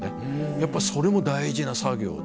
やっぱそれも大事な作業で。